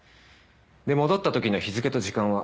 で戻ったときの日付と時間は？